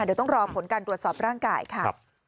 เดี๋ยวต้องรอผลการตรวจสอบร่างกายค่ะ